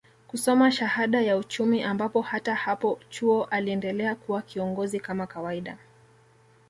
kusoma shahada ya Uchumi ambapo hata hapo chuo aliendelea kuwa kiongozi kama kawaida